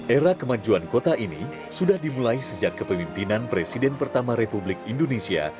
era kemajuan kota ini sudah dimulai sejak kepemimpinan presiden pertama republik indonesia